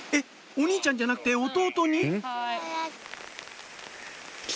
お兄ちゃんじゃなくて弟に？